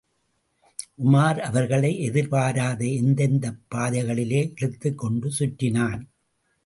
உமார் அவர்களை, எதிர்பாராத எந்தெந்தப் பாதைகளிலோ இழுத்துக் கொண்டு சுற்றினான்.